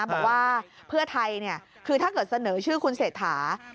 บอกว่าเพื่อไทยคือถ้าเกิดเสนอชื่อคุณเศรษฐา